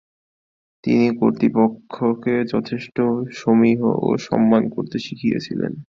তিনি কর্তৃপক্ষকে যথেষ্ট সমীহ ও সম্মান করতে শিখেছিলেন।